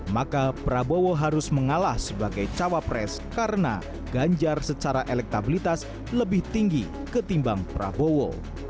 maka prabowo harus mengalah sebagai cawapres karena ganjar secara elektabilitas lebih tinggi ketimbang prabowo